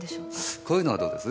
こういうのはどうです？